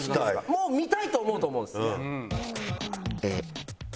もう見たいと思うと思うんですね。